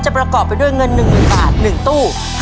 ประกอบไปด้วยเงิน๑๐๐๐บาท๑ตู้